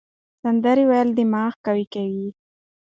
سندرې ویل دماغ قوي کوي.